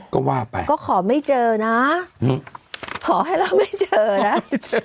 ก็ว่าไปก็ขอไม่เจอนะขอให้เราไม่เจอนะ